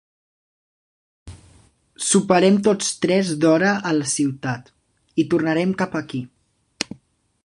Soparem tots tres d'hora a la ciutat, i tornarem cap aquí.